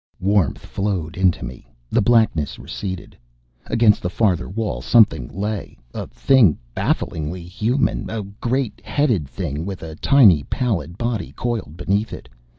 Warmth flowed into me. The blackness receded.... Against the farther wall something lay, a thing bafflingly human.... a great headed thing with a tiny pallid body coiled beneath it.